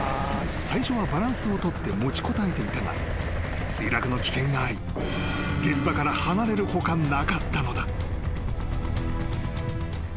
［最初はバランスを取って持ちこたえていたが墜落の危険があり現場から離れる他なかったのだ］